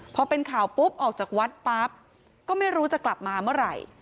พอเป็นข่าวปุ๊บออกจากวัดปั๊บก็ไม่รู้จะกลับมาเมื่อไหร่